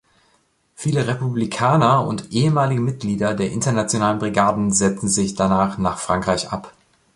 Viele Republikaner und ehemalige Mitglieder der Internationalen Brigaden setzten sich danach nach Frankreich ab.